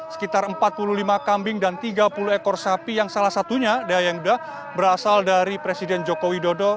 sekitar empat puluh lima kambing dan tiga puluh ekor sapi yang salah satunya daya yang sudah berasal dari presiden joko widodo